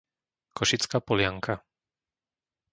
Košická Polianka